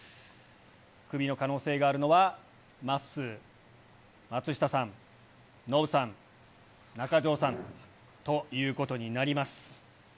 クビの可能性があるのは、まっすー、松下さん、ノブさん、中条さんということになります。